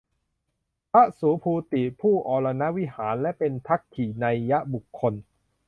พระสุภูติ ผู้อรณวิหาร และเป็นทักขิไณยบุคคล